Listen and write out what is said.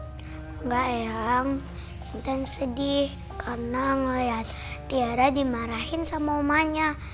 enggak eyang intan sedih karena ngeliat tiara dimarahin sama omanya